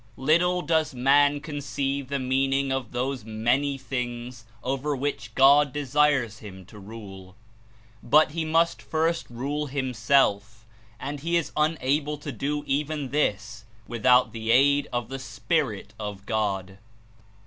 Little does man conceive the meaning of those "many" things over w^hich God desires him to rule. But he must first rule himself, and he is unable to do even this without the aid of the Spirit of God.